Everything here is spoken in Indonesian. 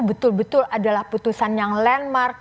betul betul adalah putusan yang landmark